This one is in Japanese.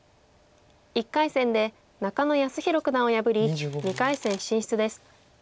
１回戦で中野泰宏九段を破り２回戦進出です。